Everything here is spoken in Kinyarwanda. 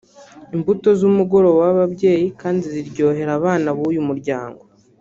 Imbuto z’umugoroba w’ababyeyi kandi ziraryohera abana b’uyu muryango